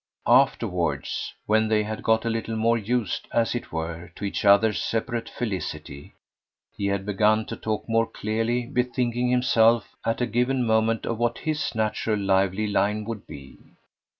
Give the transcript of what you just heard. Afterwards, when they had got a little more used, as it were, to each other's separate felicity, he had begun to talk more, clearly bethinking himself at a given moment of what HIS natural lively line would be.